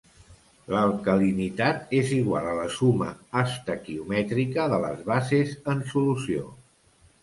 L'alcalinitat és igual a la suma estequiomètrica de les bases en solució.